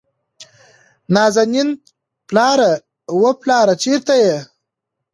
نازنين: پلاره، وه پلاره چېرته يې ؟